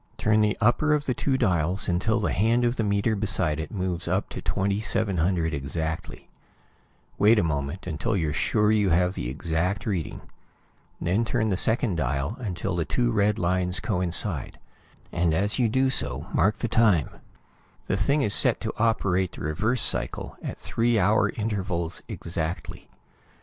Turn the upper of the two dials until the hand of the meter beside it moves up to 2700 exactly. Wait a moment, until you're sure you have the exact reading. Then turn the second dial until the two red lines coincide, and as you do so, mark the time. The thing is set to operate the reverse cycle at three hour intervals exactly.